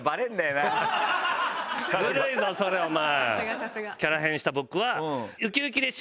ずるいぞそれお前。